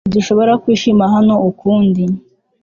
Ntidushobora kwishima hano ukundi